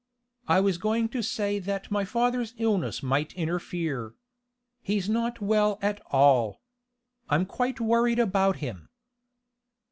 I was going to say that my father's illness might interfere. He's not well at all. I'm quite worried about him."